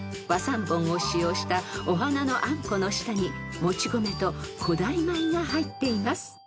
［和三盆を使用したお花のあんこの下にもち米と古代米が入っています］